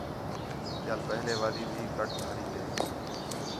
ٻِیال پہلے والے بھی کٹ بھاریندے